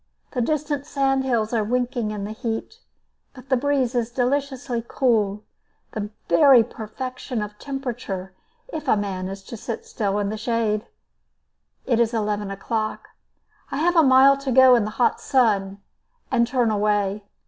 The distant sand hills are winking in the heat, but the breeze is deliciously cool, the very perfection of temperature, if a man is to sit still in the shade. It is eleven o'clock. I have a mile to go in the hot sun, and turn away.